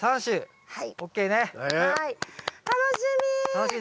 楽しみ！